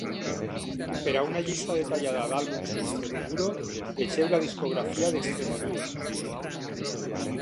Per a una llista detallada d'àlbums d'Extremoduro, vegeu la discografia d'Extremoduro.